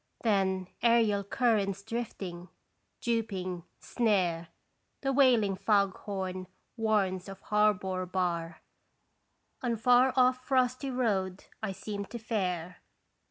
Then aerial currents drifting, duping, snare, The wailing fog horn warns of harbor bar, On far off frosty road I seem to fare.